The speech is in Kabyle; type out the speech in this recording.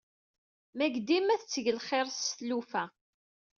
Meg dima tetteg lxir s lufa.